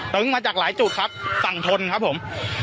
มาจากหลายจุดครับฝั่งทนครับผม